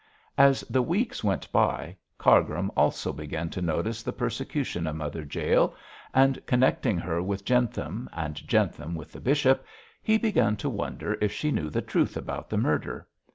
As the weeks went by, Cargrim also began to notice the persecution of Mother Jael, and connecting her with Jentham and Jentham with the bishop, he began to wonder if she knew the truth about the murder.